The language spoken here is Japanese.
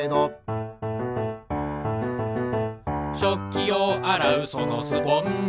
「しょっきをあらうそのスポンジ」